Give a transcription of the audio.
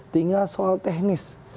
tinggal soal teknis